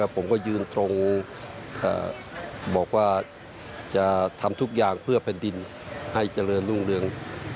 ผมก็ยืนตรงบอกว่าจะทำทุกอย่างเพื่อแผ่นดินให้เจริญรุ่งเรือง